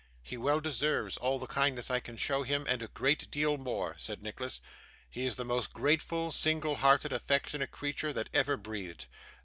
'He well deserves all the kindness I can show him, and a great deal more,' said Nicholas. 'He is the most grateful, single hearted, affectionate creature that ever breathed.